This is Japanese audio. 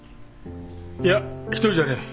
いや一人じゃねえ。